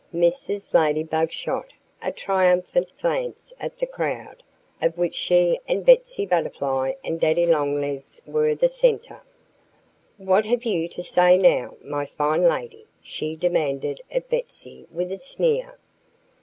Mrs. Ladybug shot a triumphant glance at the crowd, of which she and Betsy Butterfly and Daddy Longlegs were the center. "What have you to say now, my fine lady?" she demanded of Betsy with a sneer.